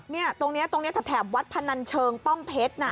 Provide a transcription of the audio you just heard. นี่ตรงนี้แถววัดพนันเชิงป้องเพชรน่ะ